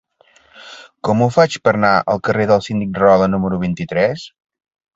Com ho faig per anar al carrer del Síndic Rahola número vint-i-tres?